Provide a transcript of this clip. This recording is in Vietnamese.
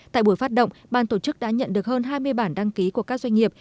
tại buổi phát động ban tổ chức đã nhận được hơn hai mươi bản đăng ký của các doanh nghiệp